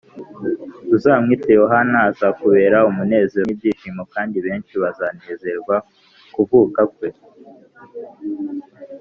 uzamwite Yohana. Azakubera umunezero n’ibyishimo, kandi benshi bazanezererwa kuvuka kwe